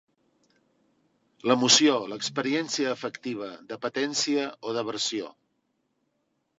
L'emoció, l'experiència afectiva, d'apetència o d'aversió.